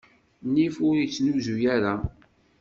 Nnif ur yettnuz ara.